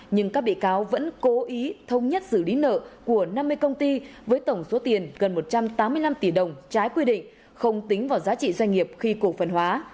nhưng các bị cáo vẫn cố ý thông nhất xử lý nợ của năm mươi công ty với tổng số tiền gần một trăm tám mươi năm tỷ đồng trái quy định không tính vào giá trị doanh nghiệp khi cổ phần hóa